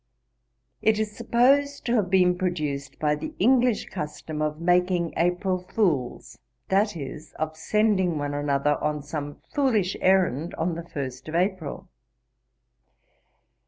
It is supposed to have been produced by the English custom of making April fools, that is, of sending one another on some foolish errand on the first of April.